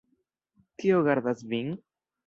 Kio gardas vin?